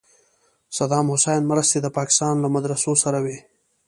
صدام حسین مرستې د پاکستان له مدرسو سره وې.